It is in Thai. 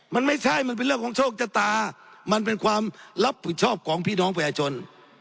มันไม่ใช่มันเป็นเรื่องของโชคชะตามันเป็นความรับผิดชอบของพี่น้องประชาชน